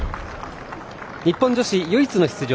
日本女子唯一の出場